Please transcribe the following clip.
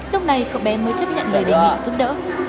lúc này cậu bé mới chấp nhận lời đề nghị họ giúp đỡ